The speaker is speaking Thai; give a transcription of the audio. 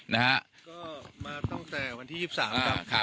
นะฮะก็มาตั้งแต่วันที่ยี่สิบสามครับครับ